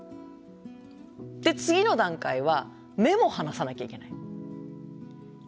で次の段階は目も離さなきゃいけない。